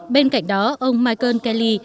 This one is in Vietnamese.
bên cạnh đó ông michael kelly